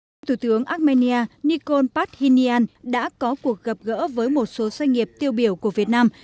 theo thủ tướng armenia nikol pashinyan đã có cuộc gặp gỡ với một số doanh nghiệp tiêu biểu của việt nam